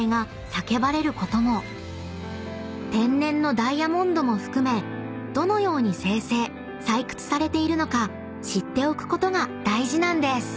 ［天然のダイヤモンドも含めどのように生成採掘されているのか知っておくことが大事なんです］